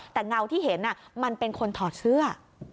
แต่เงาที่เห็นมันเป็นคนถอดเสื้อ